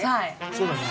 そうだね。